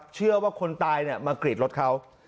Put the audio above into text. เชื่อว่าคนตายมากรีดรถเขา